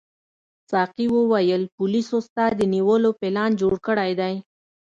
ساقي وویل پولیسو ستا د نیولو پلان جوړ کړی دی.